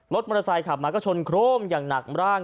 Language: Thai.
รถมอเตอร์ไซค์ขับมาก็ชนโครมอย่างหนักร่าง